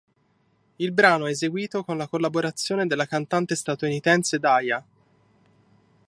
Il brano è eseguito con la collaborazione della cantante statunitense Daya.